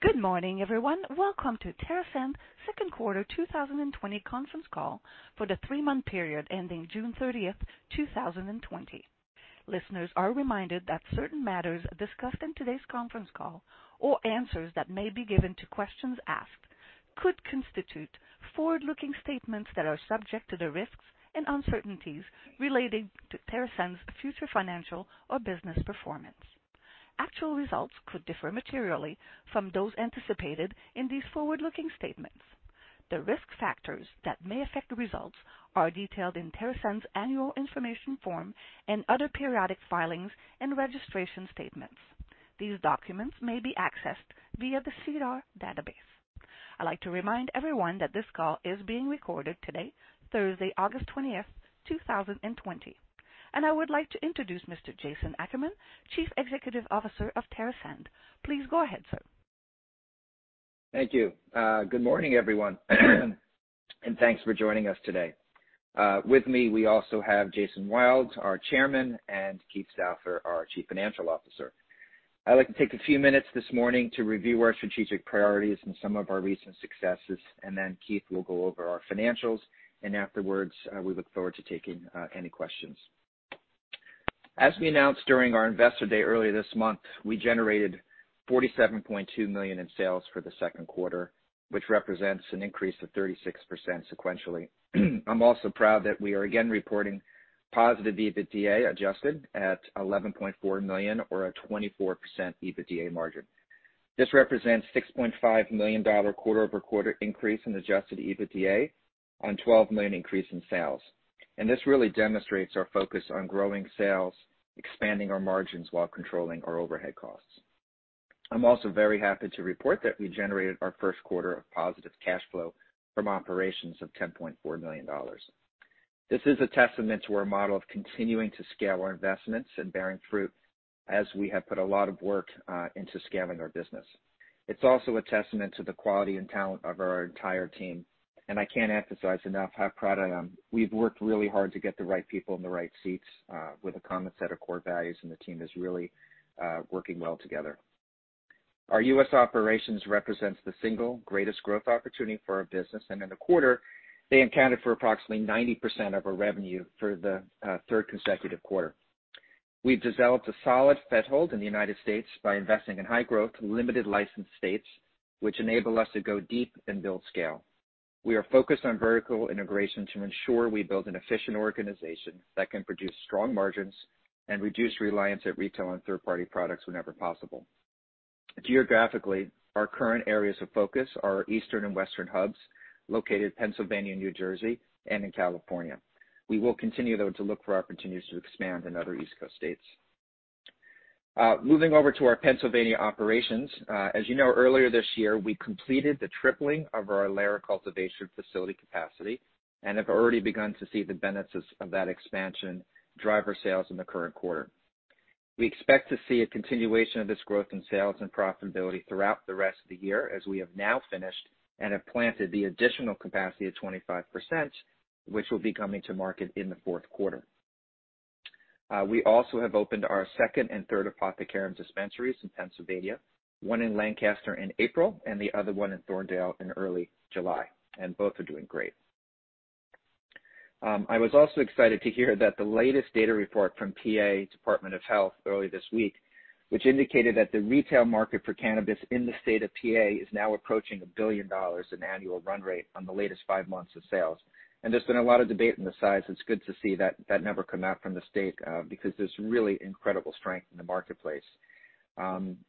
Good morning, everyone. Welcome to TerrAscend second quarter 2020 conference call for the three-month period ending June 30th, 2020. Listeners are reminded that certain matters discussed in today's conference call or answers that may be given to questions asked, could constitute forward-looking statements that are subject to the risks and uncertainties relating to TerrAscend's future financial or business performance. Actual results could differ materially from those anticipated in these forward-looking statements. The risk factors that may affect the results are detailed in TerrAscend's Annual Information Form and other periodic filings and registration statements. These documents may be accessed via the SEDAR database. I'd like to remind everyone that this call is being recorded today, Thursday, August 20th, 2020. I would like to introduce Mr. Jason Ackerman, Chief Executive Officer of TerrAscend. Please go ahead, sir. Thank you. Good morning, everyone. Thanks for joining us today. With me, we also have Jason Wild, our Chairman, and Keith Stauffer, our Chief Financial Officer. I'd like to take a few minutes this morning to review our strategic priorities and some of our recent successes. Keith will go over our financials. Afterwards, we look forward to taking any questions. As we announced during our Investor Day earlier this month, we generated 47.2 million in sales for the second quarter, which represents an increase of 36% sequentially. I'm also proud that we are again reporting positive EBITDA adjusted at 11.4 million or a 24% EBITDA margin. This represents 6.5 million dollar quarter-over-quarter increase in Adjusted EBITDA on 12 million increase in sales. This really demonstrates our focus on growing sales, expanding our margins while controlling our overhead costs. I'm also very happy to report that we generated our first quarter of positive cash flow from operations of 10.4 million dollars. This is a testament to our model of continuing to scale our investments and bearing fruit as we have put a lot of work into scaling our business. It's also a testament to the quality and talent of our entire team, and I can't emphasize enough how proud I am. We've worked really hard to get the right people in the right seats, with a common set of core values, and the team is really working well together. Our U.S. operations represents the single greatest growth opportunity for our business, and in the quarter, they accounted for approximately 90% of our revenue for the third consecutive quarter. We've developed a solid foothold in the United States by investing in high-growth, limited license states, which enable us to go deep and build scale. We are focused on vertical integration to ensure we build an efficient organization that can produce strong margins and reduce reliance at retail on third-party products whenever possible. Geographically, our current areas of focus are our Eastern and Western hubs, located Pennsylvania and New Jersey, and in California. We will continue, though, to look for opportunities to expand in other East Coast states. Moving over to our Pennsylvania operations. As you know, earlier this year, we completed the tripling of our Ilera cultivation facility capacity and have already begun to see the benefits of that expansion drive our sales in the current quarter. We expect to see a continuation of this growth in sales and profitability throughout the rest of the year, as we have now finished and have planted the additional capacity of 25%, which will be coming to market in the fourth quarter. We also have opened our second and third Apothecarium dispensaries in Pennsylvania, one in Lancaster in April, and the other one in Thorndale in early July, and both are doing great. I was also excited to hear that the latest data report from PA Department of Health early this week, which indicated that the retail market for cannabis in the state of PA is now approaching 1 billion dollars in annual run rate on the latest five months of sales. There's been a lot of debate on the size. It's good to see that number come out from the state, because there's really incredible strength in the marketplace.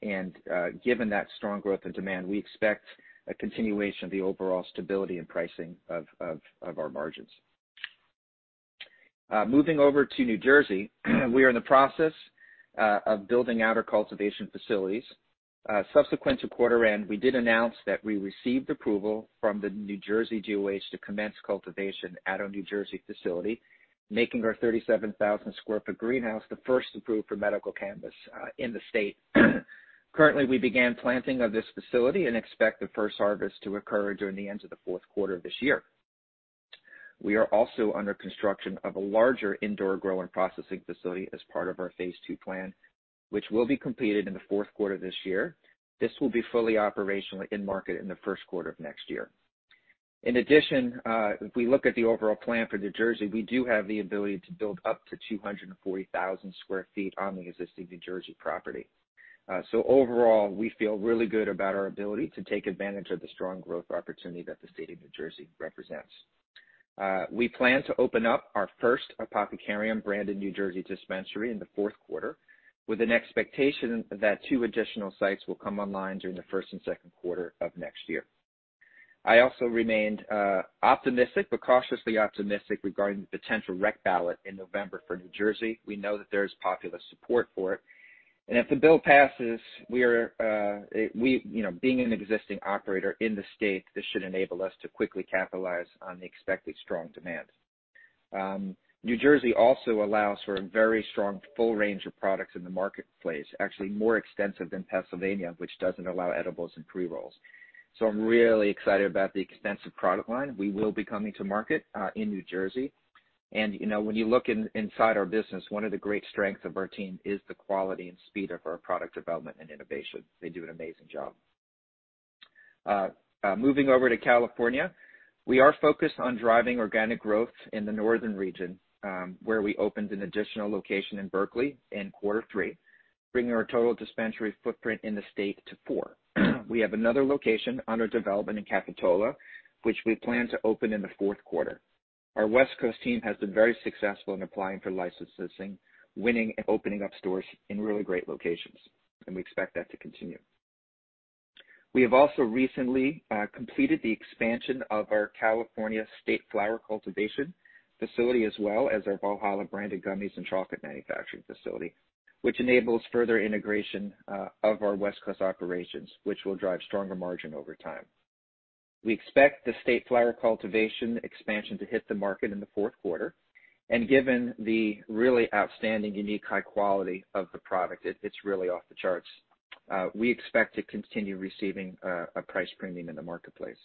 Given that strong growth and demand, we expect a continuation of the overall stability and pricing of our margins. Moving over to New Jersey, we are in the process of building out our cultivation facilities. Subsequent to quarter end, we did announce that we received approval from the New Jersey DOH to commence cultivation at our New Jersey facility, making our 37,000-square-foot greenhouse the first approved for medical cannabis in the state. Currently, we began planting of this facility and expect the first harvest to occur during the end of the fourth quarter this year. We are also under construction of a larger indoor grow and processing facility as part of our phase II plan, which will be completed in the fourth quarter this year. This will be fully operational in market in the first quarter of next year. In addition, if we look at the overall plan for New Jersey, we do have the ability to build up to 240,000 square feet on the existing New Jersey property. Overall, we feel really good about our ability to take advantage of the strong growth opportunity that the state of New Jersey represents. We plan to open up our first Apothecarium brand in New Jersey dispensary in the fourth quarter, with an expectation that two additional sites will come online during the first and second quarter of next year. I also remained optimistic, but cautiously optimistic, regarding the potential rec ballot in November for New Jersey. We know that there is popular support for it. If the bill passes, being an existing operator in the state, this should enable us to quickly capitalize on the expected strong demand. New Jersey also allows for a very strong full range of products in the marketplace, actually more extensive than Pennsylvania, which doesn't allow edibles and pre-rolls. I'm really excited about the extensive product line. We will be coming to market in New Jersey. When you look inside our business, one of the great strengths of our team is the quality and speed of our product development and innovation. They do an amazing job. Moving over to California, we are focused on driving organic growth in the northern region, where we opened an additional location in Berkeley in quarter three, bringing our total dispensary footprint in the state to four. We have another location under development in Capitola, which we plan to open in the fourth quarter. Our West Coast team has been very successful in applying for licenses and winning and opening up stores in really great locations, and we expect that to continue. We have also recently completed the expansion of our California State Flower cultivation facility, as well as our Valhalla branded gummies and chocolate manufacturing facility, which enables further integration of our West Coast operations, which will drive stronger margin over time. We expect the State Flower cultivation expansion to hit the market in the fourth quarter, and given the really outstanding, unique, high quality of the product, it's really off the charts. We expect to continue receiving a price premium in the marketplace.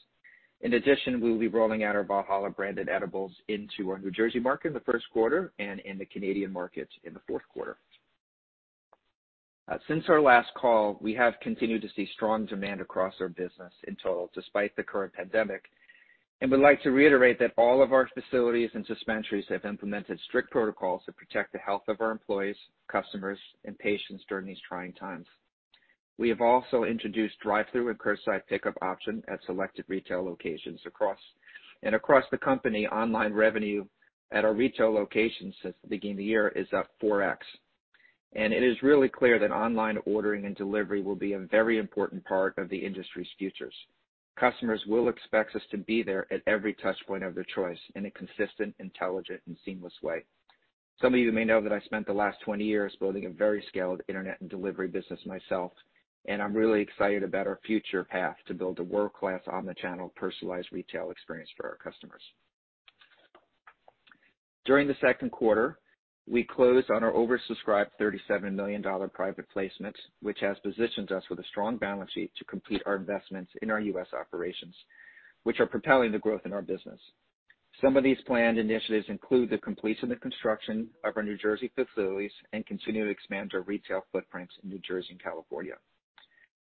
In addition, we will be rolling out our Valhalla branded edibles into our New Jersey market in the first quarter and in the Canadian market in the fourth quarter. Since our last call, we have continued to see strong demand across our business in total, despite the current pandemic, and we'd like to reiterate that all of our facilities and dispensaries have implemented strict protocols to protect the health of our employees, customers, and patients during these trying times. We have also introduced drive-through and curbside pickup option at selected retail locations across. Across the company, online revenue at our retail locations since the beginning of the year is up 4X. It is really clear that online ordering and delivery will be a very important part of the industry's futures. Customers will expect us to be there at every touchpoint of their choice in a consistent, intelligent, and seamless way. Some of you may know that I spent the last 20 years building a very scaled internet and delivery business myself. I'm really excited about our future path to build a world-class omni-channel personalized retail experience for our customers. During the second quarter, we closed on our oversubscribed 37 million dollar private placement, which has positioned us with a strong balance sheet to complete our investments in our U.S. operations, which are propelling the growth in our business. Some of these planned initiatives include the completion of construction of our New Jersey facilities and continue to expand our retail footprints in New Jersey and California.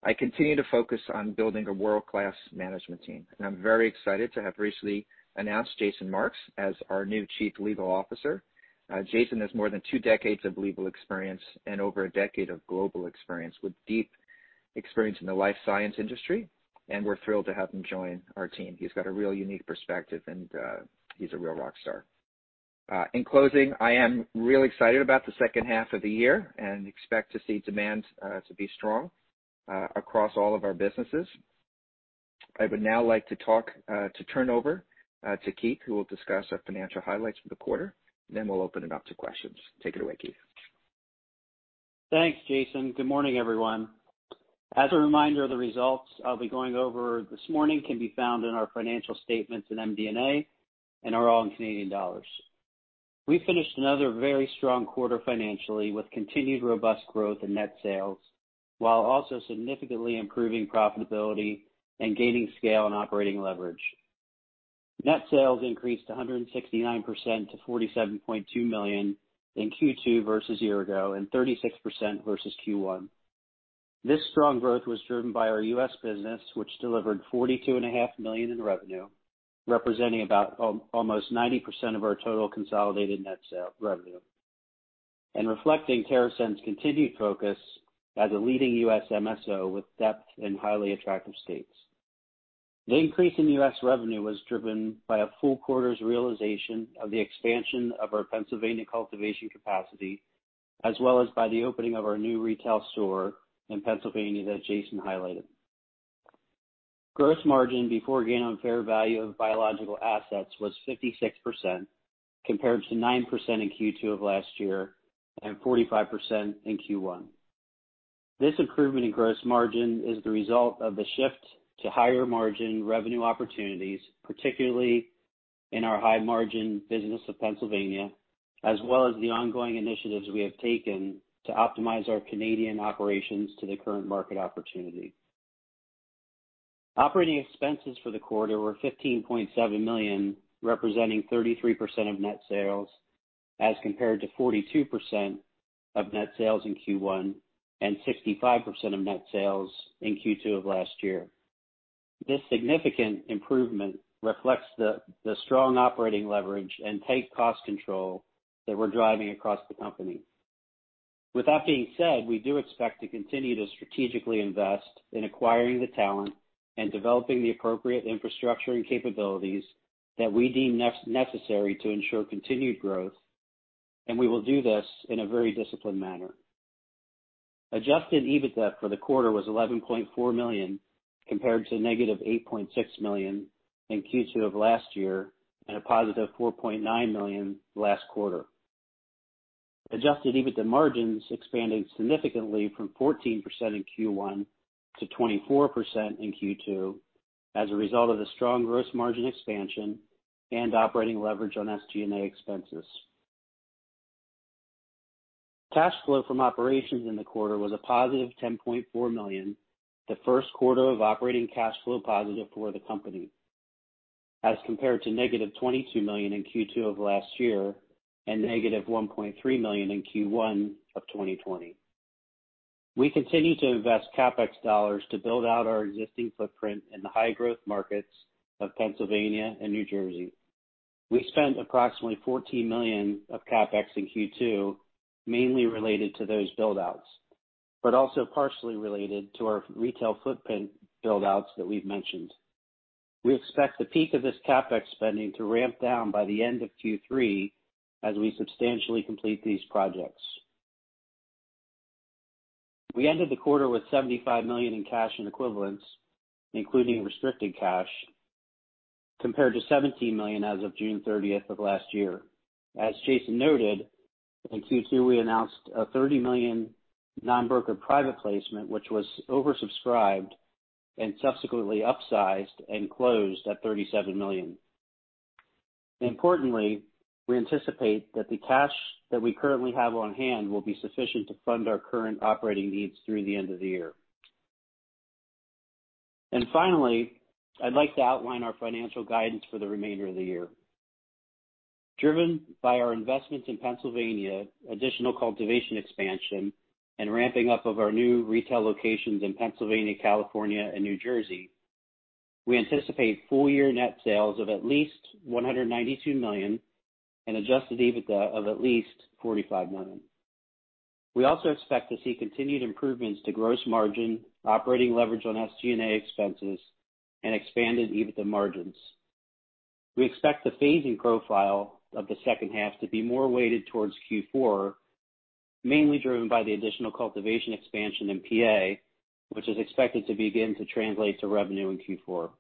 I continue to focus on building a world-class management team. I'm very excited to have recently announced Jason Marks as our new Chief Legal Officer. Jason has more than two decades of legal experience and over a decade of global experience, with deep experience in the life science industry, and we're thrilled to have him join our team. He's got a real unique perspective, and he's a real rock star. In closing, I am real excited about the second half of the year and expect to see demand to be strong across all of our businesses. I would now like to turn over to Keith, who will discuss our financial highlights for the quarter. We'll open it up to questions. Take it away, Keith. Thanks, Jason. Good morning, everyone. As a reminder, the results I'll be going over this morning can be found in our financial statements in MD&A and are all in Canadian dollars. We finished another very strong quarter financially, with continued robust growth in net sales, while also significantly improving profitability and gaining scale and operating leverage. Net sales increased 169% to 47.2 million in Q2 versus a year ago and 36% versus Q1. This strong growth was driven by our U.S. business, which delivered 42.5 million in revenue, representing about almost 90% of our total consolidated net revenue, and reflecting TerrAscend's continued focus as a leading U.S. MSO with depth in highly attractive states. The increase in U.S. revenue was driven by a full quarter's realization of the expansion of our Pennsylvania cultivation capacity, as well as by the opening of our new retail store in Pennsylvania that Jason highlighted. Gross margin before gain on fair value of biological assets was 56% compared to 9% in Q2 of last year and 45% in Q1. This improvement in gross margin is the result of the shift to higher margin revenue opportunities, particularly in our high-margin business of Pennsylvania, as well as the ongoing initiatives we have taken to optimize our Canadian operations to the current market opportunity. Operating expenses for the quarter were 15.7 million, representing 33% of net sales, as compared to 42% of net sales in Q1 and 65% of net sales in Q2 of last year. This significant improvement reflects the strong operating leverage and tight cost control that we're driving across the company. With that being said, we do expect to continue to strategically invest in acquiring the talent and developing the appropriate infrastructure and capabilities that we deem necessary to ensure continued growth, and we will do this in a very disciplined manner. Adjusted EBITDA for the quarter was 11.4 million, compared to negative 8.6 million in Q2 of last year and a positive 4.9 million last quarter. Adjusted EBITDA margins expanded significantly from 14% in Q1 to 24% in Q2 as a result of the strong gross margin expansion and operating leverage on SG&A expenses. Cash flow from operations in the quarter was a positive 10.4 million, the first quarter of operating cash flow positive for the company, as compared to negative 22 million in Q2 of last year and negative 1.3 million in Q1 of 2020. We continue to invest CapEx dollars to build out our existing footprint in the high-growth markets of Pennsylvania and New Jersey. We spent approximately 14 million of CapEx in Q2, mainly related to those build-outs, but also partially related to our retail footprint build-outs that we've mentioned. We expect the peak of this CapEx spending to ramp down by the end of Q3 as we substantially complete these projects. We ended the quarter with 75 million in cash and equivalents, including restricted cash, compared to 17 million as of June 30th of last year. As Jason noted, in Q2, we announced a 30 million non-broker private placement, which was oversubscribed and subsequently upsized and closed at 37 million. Importantly, we anticipate that the cash that we currently have on hand will be sufficient to fund our current operating needs through the end of the year. Finally, I'd like to outline our financial guidance for the remainder of the year. Driven by our investments in Pennsylvania, additional cultivation expansion, and ramping up of our new retail locations in Pennsylvania, California, and New Jersey, we anticipate full-year net sales of at least 192 million and Adjusted EBITDA of at least 45 million. We also expect to see continued improvements to gross margin, operating leverage on SG&A expenses, and expanded EBITDA margins. We expect the phasing profile of the second half to be more weighted towards Q4, mainly driven by the additional cultivation expansion in PA, which is expected to begin to translate to revenue in Q4.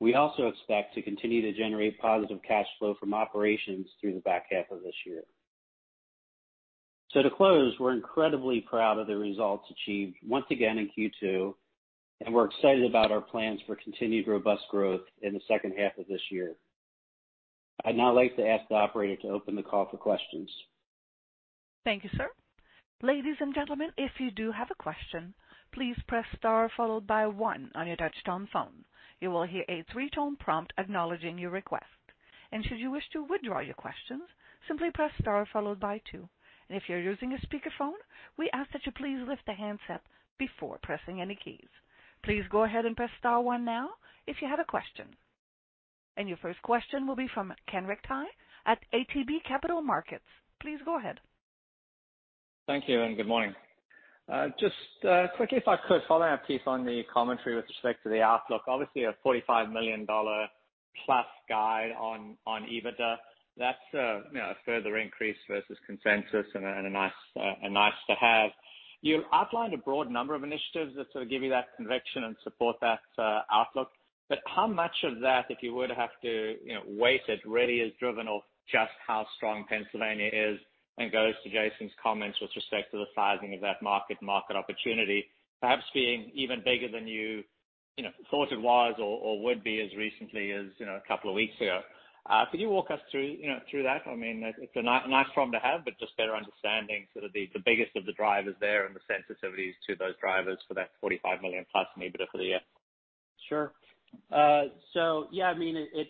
We also expect to continue to generate positive cash flow from operations through the back half of this year. To close, we're incredibly proud of the results achieved once again in Q2, and we're excited about our plans for continued robust growth in the second half of this year. I'd now like to ask the operator to open the call for questions. Thank you, sir. Ladies and gentlemen, if you do have a question, please press star followed by one on your touchtone phone. You will hear a three tone prompt acknowledging your request. Should you wish to withdraw your questions, simply press star followed by two. If you're using a speakerphone, we ask that you please lift the handset before pressing any keys. Please go ahead and press star one now if you have a question. Your first question will be from Kenric Tyghe at ATB Capital Markets. Please go ahead. Thank you and good morning. Just quickly, if I could follow up, Keith, on the commentary with respect to the outlook. A 45 million dollar-plus guide on EBITDA, that's a further increase versus consensus and a nice to have. You outlined a broad number of initiatives that sort of give you that conviction and support that outlook. How much of that, if you were to have to weight it, really is driven off just how strong Pennsylvania is and goes to Jason's comments with respect to the sizing of that market opportunity perhaps being even bigger than you thought it was, or would be as recently as a couple of weeks ago. Could you walk us through that? I mean, it's a nice problem to have, but just better understanding sort of the biggest of the drivers there and the sensitivities to those drivers for that 45 million plus EBITDA for the year. Sure. Yeah,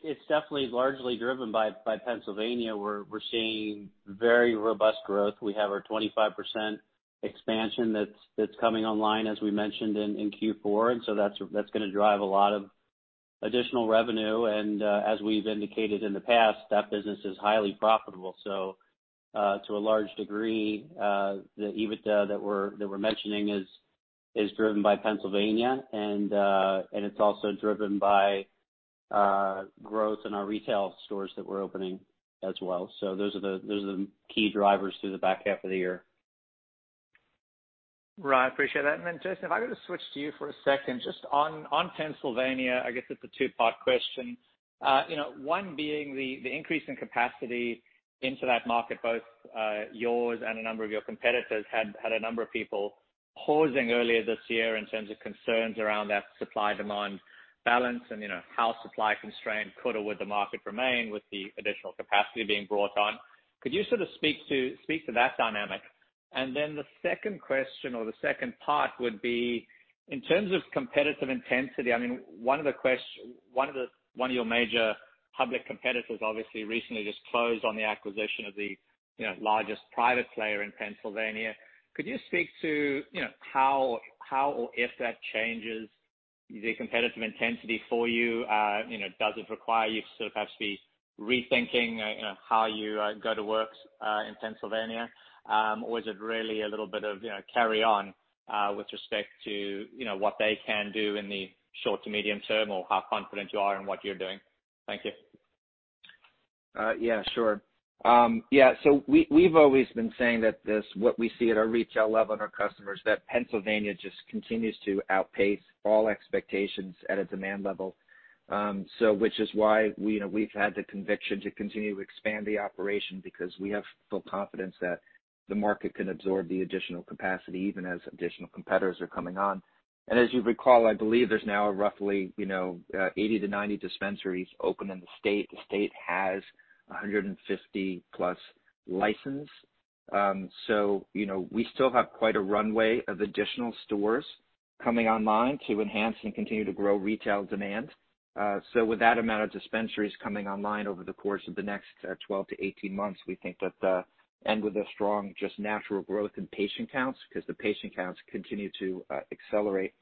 it's definitely largely driven by Pennsylvania, where we're seeing very robust growth. We have our 25% expansion that's coming online as we mentioned in Q4. That's going to drive a lot of additional revenue. As we've indicated in the past, that business is highly profitable. To a large degree, the EBITDA that we're mentioning is driven by Pennsylvania, and it's also driven by growth in our retail stores that we're opening as well. Those are the key drivers through the back half of the year. Right. I appreciate that. Then Jason, if I could just switch to you for a second, just on Pennsylvania, I guess it's a two-part question. One being the increase in capacity into that market, both yours and a number of your competitors had a number of people pausing earlier this year in terms of concerns around that supply-demand balance and how supply constrained could or would the market remain with the additional capacity being brought on. Could you sort of speak to that dynamic? Then the second question, or the second part would be in terms of competitive intensity, one of your major public competitors obviously recently just closed on the acquisition of the largest private player in Pennsylvania. Could you speak to how, or if that changes the competitive intensity for you? Does it require you to sort of perhaps be rethinking how you go to work in Pennsylvania? Or is it really a little bit of carry on with respect to what they can do in the short to medium term, or how confident you are in what you're doing? Thank you. Yeah, sure. Yeah. We've always been saying that what we see at our retail level and our customers, that Pennsylvania just continues to outpace all expectations at a demand level. Which is why we've had the conviction to continue to expand the operation because we have full confidence that the market can absorb the additional capacity even as additional competitors are coming on. As you recall, I believe there's now roughly 80-90 dispensaries open in the state. The state has 150-plus licensed. We still have quite a runway of additional stores coming online to enhance and continue to grow retail demand. With that amount of dispensaries coming online over the course of the next 12-18 months, and with a strong, just natural growth in patient counts, because the patient counts continue to accelerate.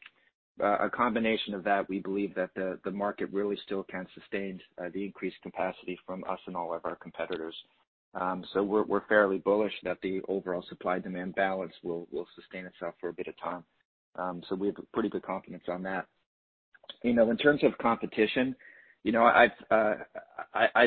A combination of that, we believe that the market really still can sustain the increased capacity from us and all of our competitors. We're fairly bullish that the overall supply-demand balance will sustain itself for a bit of time. We have pretty good confidence on that. In terms of competition, I'd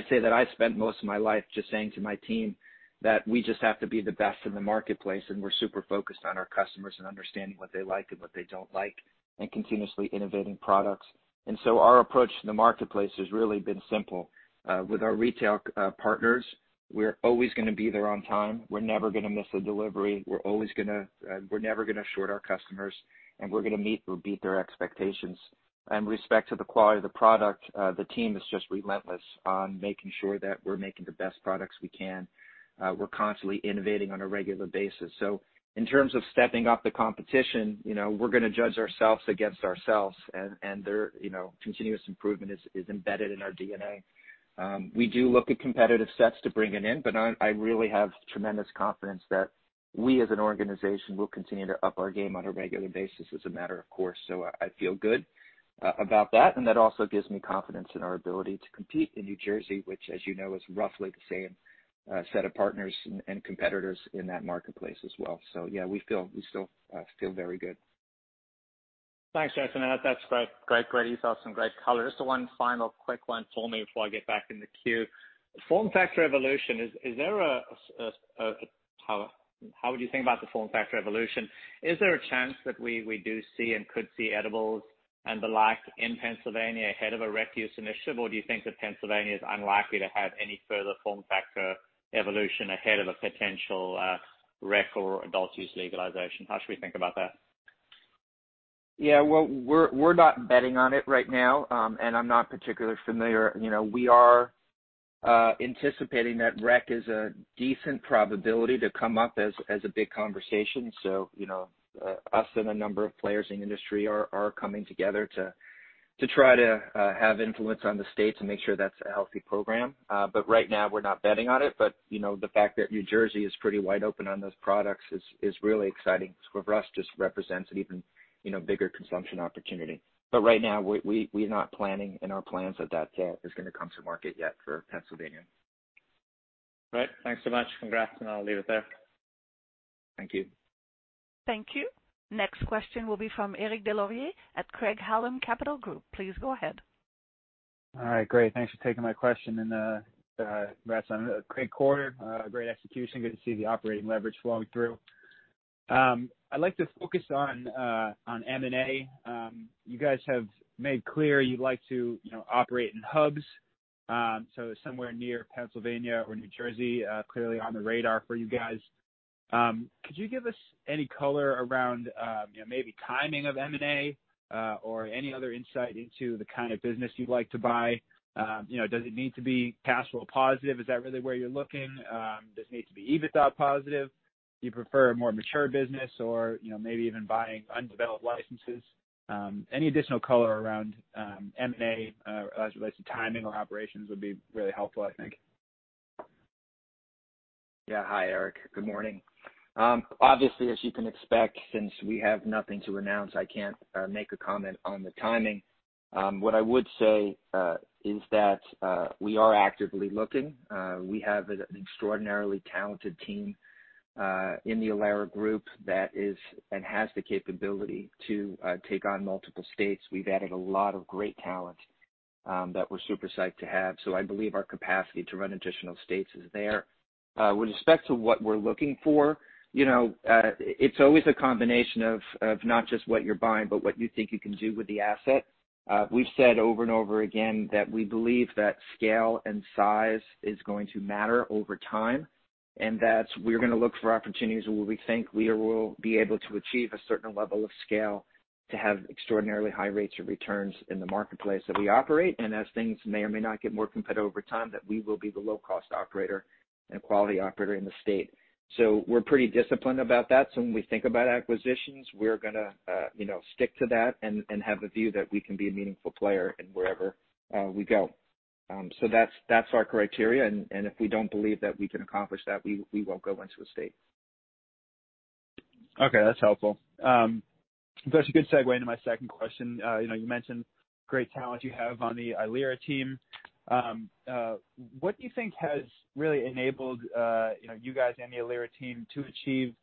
say that I've spent most of my life just saying to my team that we just have to be the best in the marketplace, and we're super focused on our customers and understanding what they like and what they don't like, and continuously innovating products. Our approach to the marketplace has really been simple. With our retail partners, we're always going to be there on time. We're never going to miss a delivery. We're never going to short our customers, and we're going to meet or beat their expectations. In respect to the quality of the product, the team is just relentless on making sure that we're making the best products we can. We're constantly innovating on a regular basis. In terms of stepping up the competition, we're going to judge ourselves against ourselves, and continuous improvement is embedded in our DNA. We do look at competitive sets to bring it in, but I really have tremendous confidence that we, as an organization, will continue to up our game on a regular basis as a matter of course. I feel good about that, and that also gives me confidence in our ability to compete in New Jersey, which, as you know, is roughly the same set of partners and competitors in that marketplace as well. Yeah, we still feel very good. Thanks, Jason. That's great. You saw some great color. Just one final quick one for me before I get back in the queue. Form factor evolution. How would you think about the form factor evolution? Is there a chance that we do see and could see edibles and the like in Pennsylvania ahead of a rec use initiative, or do you think that Pennsylvania is unlikely to have any further form factor evolution ahead of a potential rec or adult use legalization? How should we think about that? Yeah. Well, we're not betting on it right now, and I'm not particularly familiar. We are anticipating that rec is a decent probability to come up as a big conversation. Us and a number of players in the industry are coming together to try to have influence on the states and make sure that's a healthy program. Right now, we're not betting on it. The fact that New Jersey is pretty wide open on those products is really exciting. For us, just represents an even bigger consumption opportunity. Right now, we're not planning in our plans that is going to come to market yet for Pennsylvania. Great. Thanks so much. Congrats, and I'll leave it there. Thank you. Thank you. Next question will be from Eric Des Lauriers at Craig-Hallum Capital Group. Please go ahead. All right. Great. Thanks for taking my question. Congrats on a great quarter. Great execution. Good to see the operating leverage flowing through. I'd like to focus on M&A. You guys have made clear you'd like to operate in hubs. Somewhere near Pennsylvania or New Jersey, clearly on the radar for you guys. Could you give us any color around maybe timing of M&A, or any other insight into the kind of business you'd like to buy? Does it need to be cash flow positive? Is that really where you're looking? Does it need to be EBITDA positive? Do you prefer a more mature business or maybe even buying undeveloped licenses? Any additional color around M&A as it relates to timing or operations would be really helpful, I think. Hi, Eric. Good morning. Obviously, as you can expect, since we have nothing to announce, I can't make a comment on the timing. What I would say is that we are actively looking. We have an extraordinarily talented team in the Ilera group that is, and has the capability to take on multiple states. We've added a lot of great talent that we're super psyched to have. I believe our capacity to run additional states is there. With respect to what we're looking for, it's always a combination of not just what you're buying, but what you think you can do with the asset. We've said over and over again that we believe that scale and size is going to matter over time, and that we're going to look for opportunities where we think we will be able to achieve a certain level of scale to have extraordinarily high rates of returns in the marketplace that we operate. As things may or may not get more competitive over time, that we will be the low-cost operator and a quality operator in the state. We're pretty disciplined about that. When we think about acquisitions, we're going to stick to that and have the view that we can be a meaningful player in wherever we go. That's our criteria, and if we don't believe that we can accomplish that, we won't go into a state. Okay. That's helpful. That's a good segue into my second question. You mentioned great talent you have on the Ilera team. What do you think has really enabled you guys and the Ilera team to achieve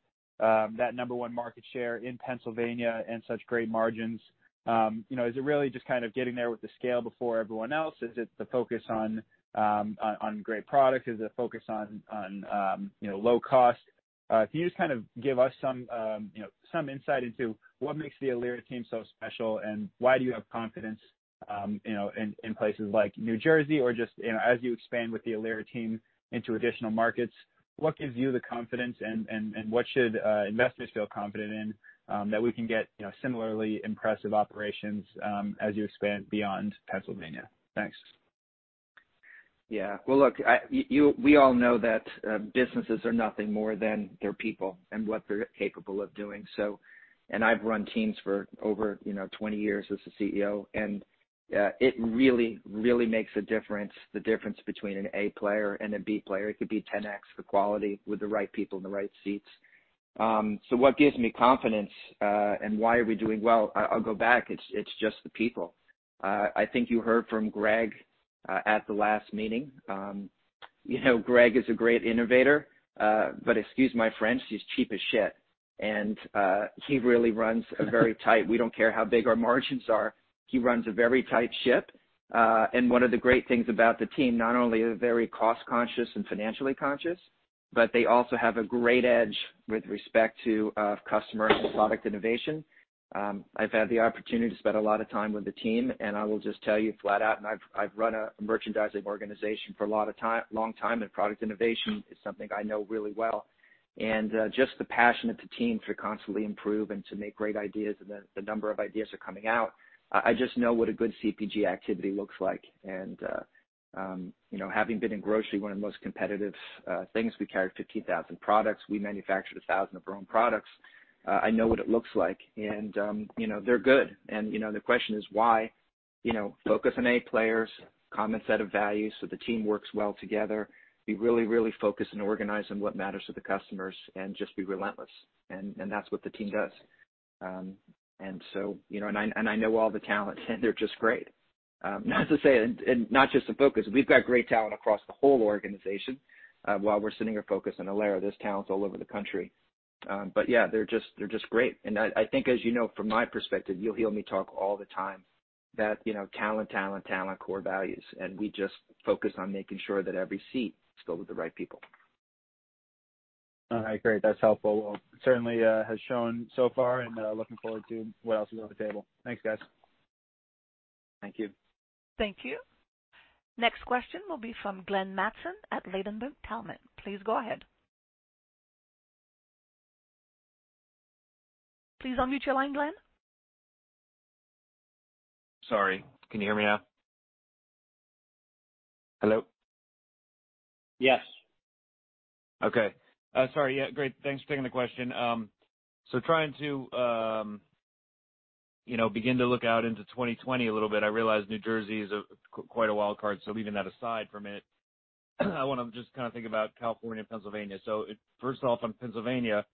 that number one market share in Pennsylvania and such great margins? Is it really just kind of getting there with the scale before everyone else? Is it the focus on great product? Is it a focus on low cost? Can you just give us some insight into what makes the Ilera team so special, and why do you have confidence in places like New Jersey or just as you expand with the Ilera team into additional markets, what gives you the confidence, and what should investors feel confident in that we can get similarly impressive operations as you expand beyond Pennsylvania? Thanks. Yeah. Well, look, we all know that businesses are nothing more than their people and what they're capable of doing. I've run teams for over 20 years as a CEO, and it really makes a difference, the difference between an A player and a B player. It could be 10X the quality with the right people in the right seats. What gives me confidence, and why are we doing well? I'll go back. It's just the people. I think you heard from Greg at the last meeting. Greg is a great innovator, but excuse my French, he's cheap as shit. We don't care how big our margins are. He runs a very tight ship. One of the great things about the team, not only are they very cost conscious and financially conscious, but they also have a great edge with respect to customer and product innovation. I've had the opportunity to spend a lot of time with the team, and I will just tell you flat out, and I've run a merchandising organization for a long time, and product innovation is something I know really well. Just the passion of the team to constantly improve and to make great ideas, and the number of ideas are coming out. I just know what a good CPG activity looks like. Having been in grocery, one of the most competitive things, we carry 50,000 products. We manufacture 1,000 of our own products. I know what it looks like, and they're good. The question is why. Focus on A players, common set of values so the team works well together. Be really, really focused and organized on what matters to the customers and just be relentless. That's what the team does. I know all the talent, and they're just great. Not to say, and not just the focus. We've got great talent across the whole organization. While we're sitting here focused on Ilera, there's talents all over the country. Yeah, they're just great. I think as you know from my perspective, you'll hear me talk all the time that talent, talent, core values, and we just focus on making sure that every seat is filled with the right people. All right, great. That's helpful. Well, certainly has shown so far and looking forward to what else is on the table. Thanks, guys. Thank you. Thank you. Next question will be from Glenn Mattson at Ladenburg Thalmann. Please go ahead. Please unmute your line, Glenn. Sorry. Can you hear me now? Hello? Yes. Okay. Sorry. Yeah, great. Thanks for taking the question. Trying to begin to look out into 2020 a little bit, I realize New Jersey is quite a wild card, so leaving that aside for a minute, I want to just think about California and Pennsylvania. First off, on Pennsylvania,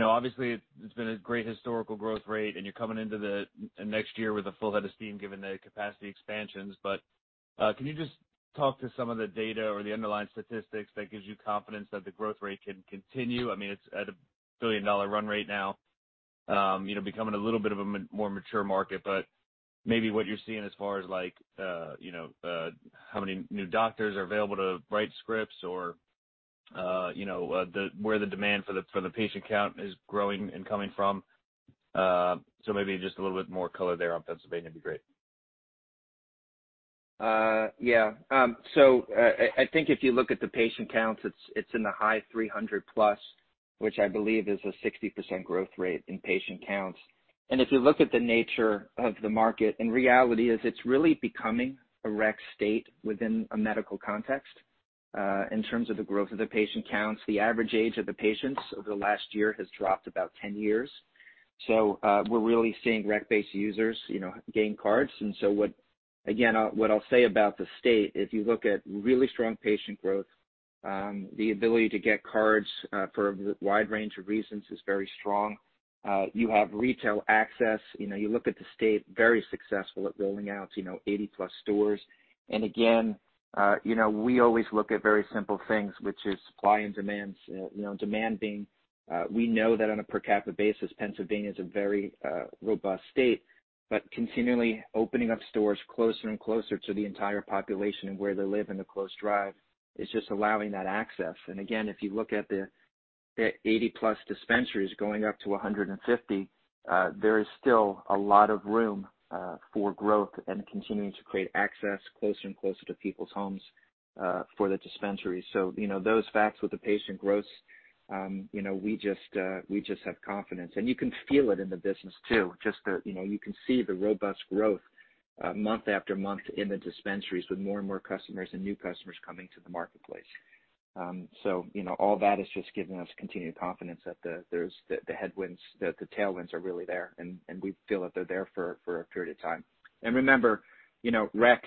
obviously it's been a great historical growth rate, and you're coming into the next year with a full head of steam given the capacity expansions. Can you just talk to some of the data or the underlying statistics that gives you confidence that the growth rate can continue? It's at a billion-dollar run rate now, becoming a little bit of a more mature market, but maybe what you're seeing as far as how many new doctors are available to write scripts or where the demand for the patient count is growing and coming from. Maybe just a little bit more color there on Pennsylvania would be great. Yeah. I think if you look at the patient counts, it's in the high 300 plus, which I believe is a 60% growth rate in patient counts. If you look at the nature of the market in reality, is it's really becoming a rec state within a medical context. In terms of the growth of the patient counts, the average age of the patients over the last year has dropped about 10 years. We're really seeing rec-based users gain cards. Again, what I'll say about the state, if you look at really strong patient growth, the ability to get cards for a wide range of reasons is very strong. You have retail access. You look at the state, very successful at rolling out 80+ stores. Again, we always look at very simple things, which is supply and demand. Demand being, we know that on a per capita basis, Pennsylvania is a very robust state, continually opening up stores closer and closer to the entire population and where they live in a close drive is just allowing that access. Again, if you look at the 80+ dispensaries going up to 150, there is still a lot of room for growth and continuing to create access closer and closer to people's homes for the dispensaries. Those facts with the patient growth, we just have confidence. You can feel it in the business, too. You can see the robust growth month after month in the dispensaries with more and more customers and new customers coming to the marketplace. All that is just giving us continued confidence that the headwinds, that the tailwinds are really there, and we feel that they're there for a period of time. And remember, rec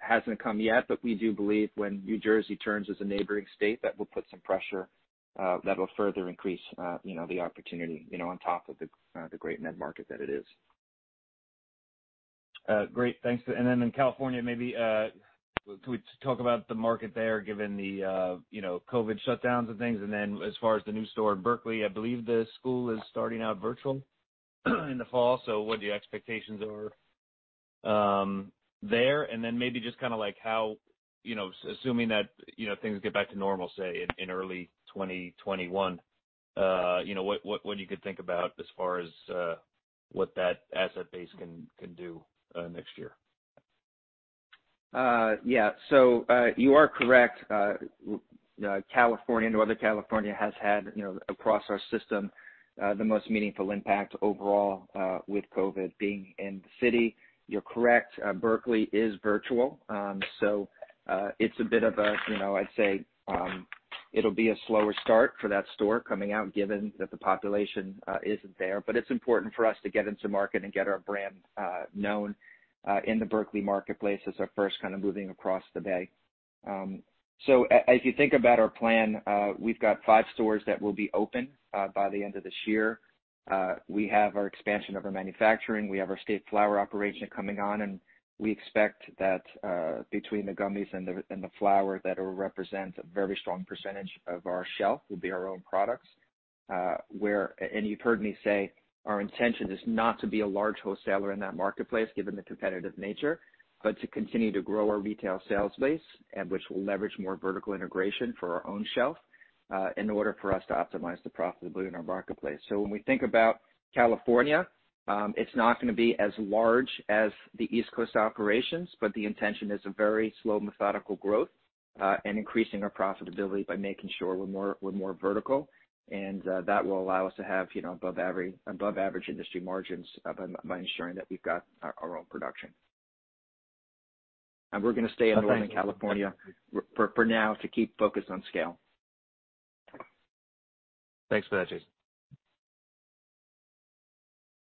hasn't come yet, but we do believe when New Jersey turns as a neighboring state, that will put some pressure that will further increase the opportunity on top of the great med market that it is. Great. Thanks. In California, maybe could we talk about the market there, given the COVID shutdowns and things, and then as far as the new store in Berkeley, I believe the school is starting out virtual in the fall? What are your expectations there? Maybe just how, assuming that things get back to normal, say, in early 2021, what you could think about as far as what that asset base can do next year? Yeah. You are correct. California, Northern California has had, across our system, the most meaningful impact overall with COVID being in the city. You're correct. Berkeley is virtual. It'll be a slower start for that store coming out, given that the population isn't there. It's important for us to get into market and get our brand known in the Berkeley marketplace as our first kind of moving across the Bay. As you think about our plan, we've got five stores that will be open by the end of this year. We have our expansion of our manufacturing. We have our State Flower operation coming on, and we expect that between the gummies and the flower, that it will represent a very strong percentage of our shelf, will be our own products. You've heard me say, our intention is not to be a large wholesaler in that marketplace, given the competitive nature, but to continue to grow our retail sales base, and which will leverage more vertical integration for our own shelf, in order for us to optimize the profitability in our marketplace. When we think about California, it's not going to be as large as the East Coast operations, but the intention is a very slow, methodical growth, and increasing our profitability by making sure we're more vertical. That will allow us to have above average industry margins by ensuring that we've got our own production. We're going to stay in Northern California for now to keep focused on scale. Thanks for that, Jason.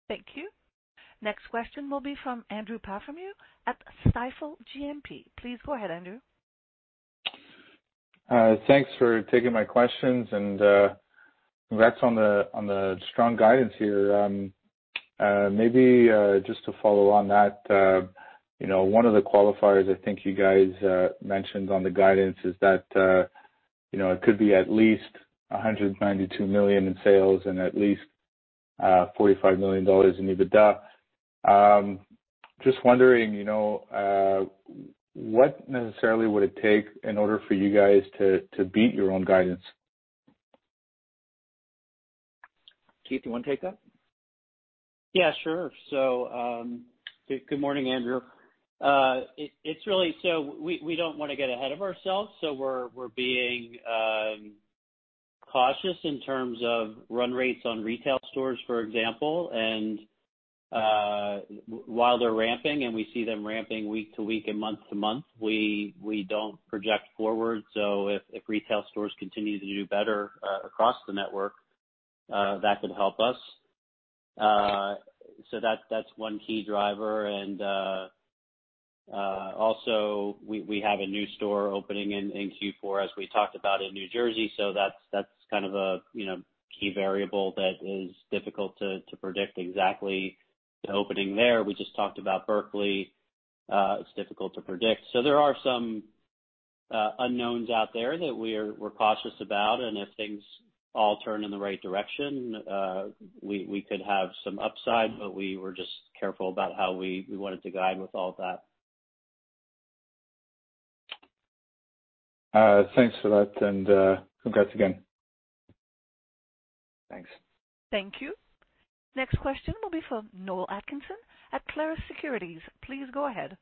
Thank you. Next question will be from Andrew Partheniou at Stifel GMP. Please go ahead, Andrew. Thanks for taking my questions. Congrats on the strong guidance here. Maybe just to follow on that, one of the qualifiers I think you guys mentioned on the guidance is that it could be at least $192 million in sales and at least $45 million in EBITDA. Just wondering, what necessarily would it take in order for you guys to beat your own guidance? Keith, you want to take that? Yeah, sure. Good morning, Andrew. We don't want to get ahead of ourselves, so we're being cautious in terms of run rates on retail stores, for example. While they're ramping, and we see them ramping week to week and month to month, we don't project forward. If retail stores continue to do better across the network, that could help us. That's one key driver. Also, we have a new store opening in Q4, as we talked about in New Jersey, so that's kind of a key variable that is difficult to predict exactly the opening there. We just talked about Berkeley. It's difficult to predict. There are some unknowns out there that we're cautious about, and if things all turn in the right direction, we could have some upside, but we were just careful about how we wanted to guide with all of that. Thanks for that and congrats again. Thanks. Thank you. Next question will be from Noel Atkinson at Clarus Securities. Please go ahead.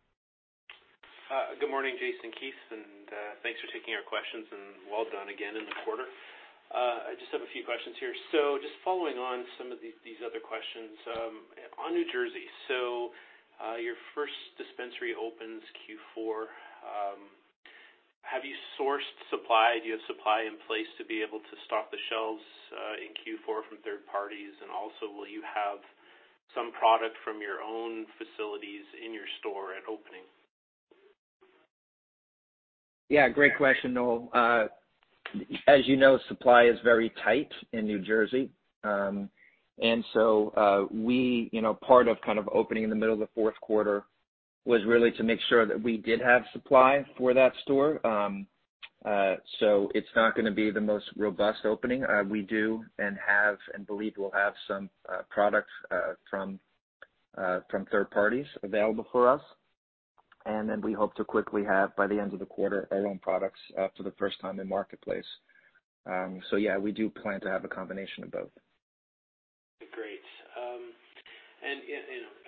Good morning, Jason, Keith, and thanks for taking our questions, and well done again in the quarter. I just have a few questions here. Just following on some of these other questions, on New Jersey. Your first dispensary opens Q4. Have you sourced supply? Do you have supply in place to be able to stock the shelves in Q4 from third parties? Also, will you have some product from your own facilities in your store at opening? Yeah, great question, Noel. As you know, supply is very tight in New Jersey. Part of opening in the middle of the fourth quarter was really to make sure that we did have supply for that store. It's not going to be the most robust opening. We do and have, and believe we'll have some products from third parties available for us. We hope to quickly have, by the end of the quarter, our own products for the first time in the marketplace. Yeah, we do plan to have a combination of both. Great.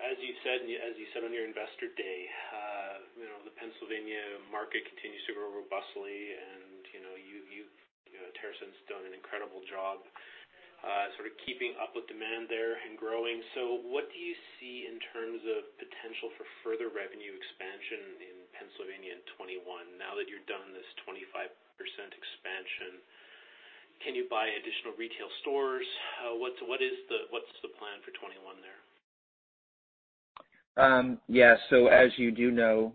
As you said on your Investor Day, the Pennsylvania market continues to grow robustly, and TerrAscend's done an incredible job keeping up with demand there and growing. What do you see in terms of potential for further revenue expansion in Pennsylvania in 2021, now that you're done this 25% expansion? Can you buy additional retail stores? What's the plan for 2021 there? Yeah. As you do know,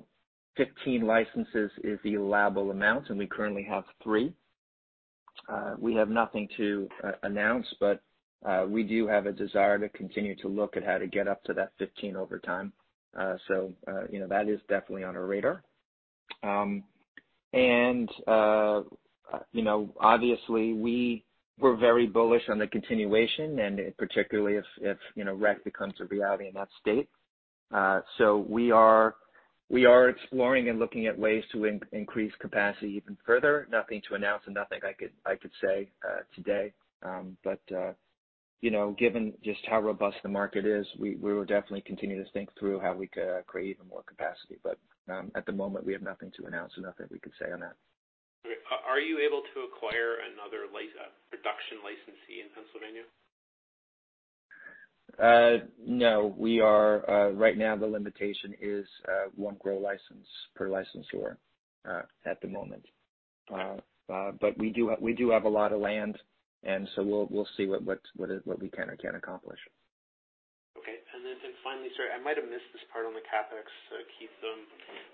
15 licenses is the allowable amount, and we currently have three. We have nothing to announce, we do have a desire to continue to look at how to get up to that 15 over time. That is definitely on our radar. Obviously, we were very bullish on the continuation, and particularly if rec becomes a reality in that state. We are exploring and looking at ways to increase capacity even further. Nothing to announce and nothing I could say today. Given just how robust the market is, we will definitely continue to think through how we could create even more capacity. At the moment, we have nothing to announce and nothing we can say on that. Are you able to acquire another production licensee in Pennsylvania? No. Right now the limitation is one grow license per license year at the moment. We do have a lot of land, and so we'll see what we can or can't accomplish. Okay. Finally, sorry, I might have missed this part on the CapEx, Keith.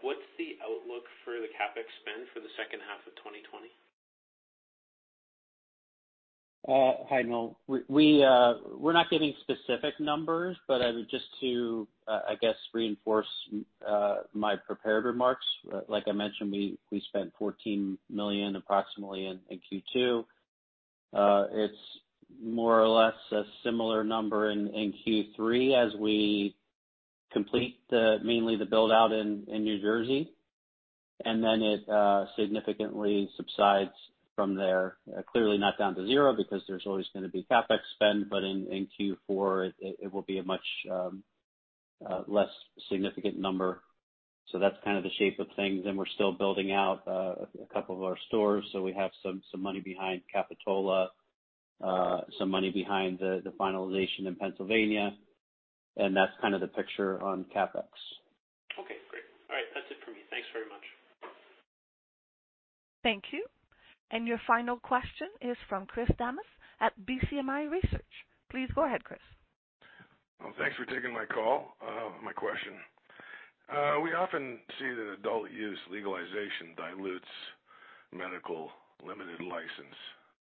What's the outlook for the CapEx spend for the second half of 2020? Hi, Noel. We're not giving specific numbers, but just to, I guess, reinforce my prepared remarks, like I mentioned, we spent 14 million approximately in Q2. It's more or less a similar number in Q3 as we complete mainly the build-out in New Jersey. Then it significantly subsides from there. Clearly not down to zero, because there's always going to be CapEx spend, but in Q4, it will be a much less significant number. That's kind of the shape of things. We're still building out a couple of our stores. We have some money behind Capitola, some money behind the finalization in Pennsylvania, That's kind of the picture on CapEx. Okay, great. All right. That's it for me. Thanks very much. Thank you. Your final question is from Chris Damas at BCMI Research. Please go ahead, Chris. Well, thanks for taking my call. My question. We often see that adult use legalization dilutes medical limited license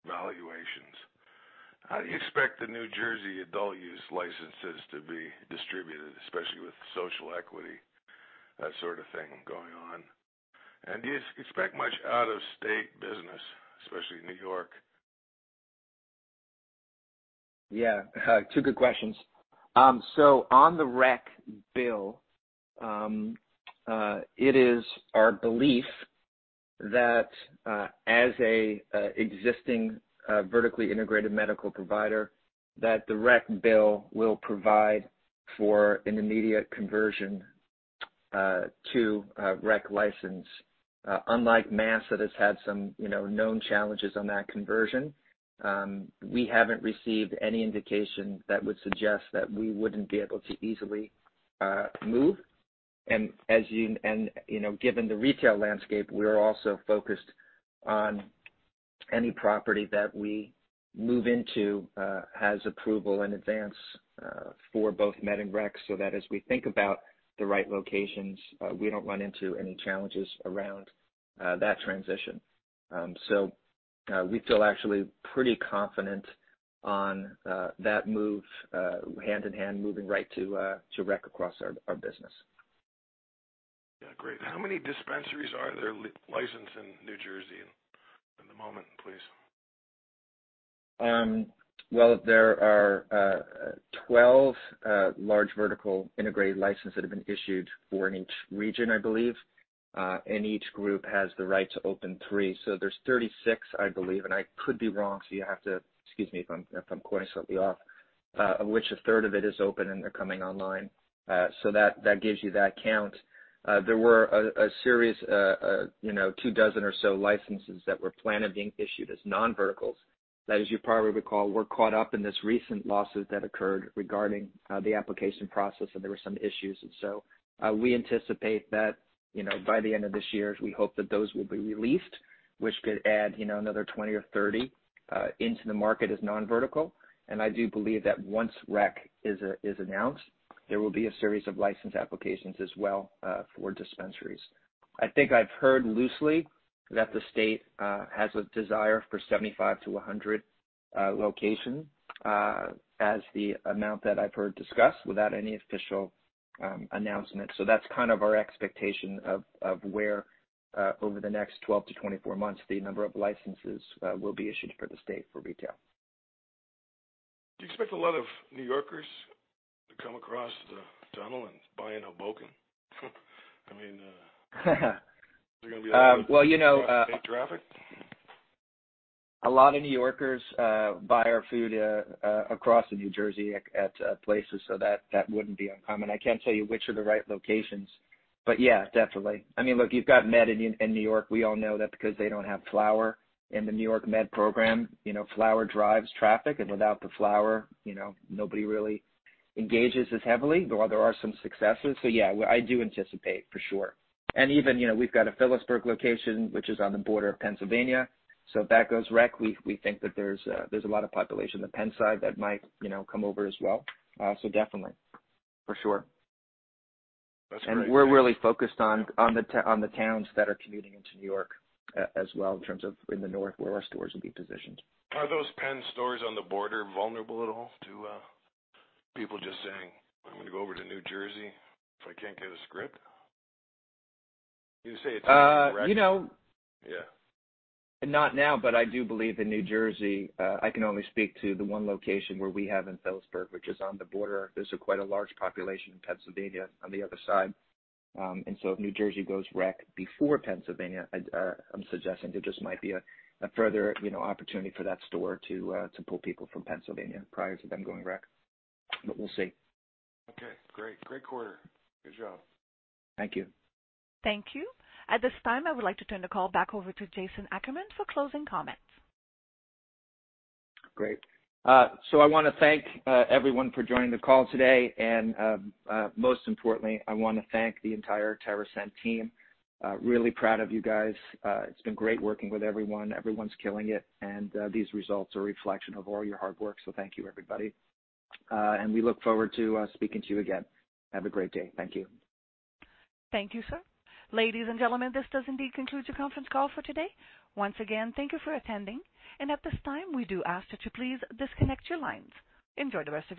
valuations. How do you expect the New Jersey adult use licenses to be distributed, especially with social equity sort of thing going on? Do you expect much out-of-state business, especially New York? Yeah. Two good questions. On the rec bill, it is our belief that as an existing vertically integrated medical provider, that the rec bill will provide for an immediate conversion to a rec license. Unlike Mass that has had some known challenges on that conversion. We haven't received any indication that would suggest that we wouldn't be able to easily move. Given the retail landscape, we're also focused on any property that we move into has approval in advance for both med and rec, so that as we think about the right locations, we don't run into any challenges around that transition. We feel actually pretty confident on that move, hand in hand, moving right to rec across our business. Yeah. Great. How many dispensaries are there licensed in New Jersey at the moment, please? Well, there are 12 large vertically integrated licenses that have been issued for in each region, I believe. Each group has the right to open three. There's 36, I believe, and I could be wrong, so you have to excuse me if I'm quoting something off, of which a third of it is open and they're coming online. That gives you that count. There were a series, two dozen or so licenses that were planned and being issued as non-verticals. That, as you probably recall, were caught up in this recent lawsuit that occurred regarding the application process, and there were some issues. We anticipate that, by the end of this year, we hope that those will be released, which could add another 20 or 30 into the market as non-vertical. I do believe that once rec is announced, there will be a series of license applications as well for dispensaries. I think I've heard loosely that the state has a desire for 75-100 locations as the amount that I've heard discussed without any official announcement. That's kind of our expectation of where, over the next 12-24 months, the number of licenses will be issued for the state for retail. Do you expect a lot of New Yorkers to come across the tunnel and buy in Hoboken? I mean, is there going to be that much state traffic? A lot of New Yorkers buy our food across in New Jersey at places, that wouldn't be uncommon. I can't tell you which are the right locations, yeah, definitely. Look, you've got med in New York. We all know that because they don't have flower in the New York med program. Flower drives traffic, without the flower, nobody really engages as heavily, though there are some successes. Yeah, I do anticipate, for sure. Even, we've got a Phillipsburg location, which is on the border of Pennsylvania. If that goes rec, we think that there's a lot of population on the Penn side that might come over as well. Definitely. For sure. That's great. We're really focused on the towns that are commuting into New York as well, in terms of in the north where our stores will be positioned. Are those Penn stores on the border vulnerable at all to people just saying, "I'm going to go over to New Jersey if I can't get a script?" You say it's going to rec. Not now, but I do believe in New Jersey. I can only speak to the one location where we have in Phillipsburg, which is on the border. There's quite a large population in Pennsylvania on the other side. If New Jersey goes rec before Pennsylvania, I'm suggesting there just might be a further opportunity for that store to pull people from Pennsylvania prior to them going rec. We'll see. Okay, great. Great quarter. Good job. Thank you. Thank you. At this time, I would like to turn the call back over to Jason Ackerman for closing comments. Great. I want to thank everyone for joining the call today. Most importantly, I want to thank the entire TerrAscend team. Really proud of you guys. It's been great working with everyone. Everyone's killing it, and these results are a reflection of all your hard work. Thank you, everybody. We look forward to speaking to you again. Have a great day. Thank you. Thank you, sir. Ladies and gentlemen, this does indeed conclude your conference call for today. Once again, thank you for attending. At this time, we do ask that you please disconnect your lines. Enjoy the rest of your day.